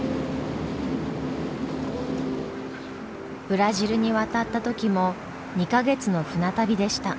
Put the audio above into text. ブラジルに渡った時も２か月の船旅でした。